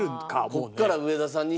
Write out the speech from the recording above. ここから上田さんに。